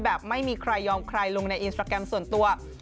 แบบไม่มีใครยอมใครลงในอินสตราแกรมส่วนตัว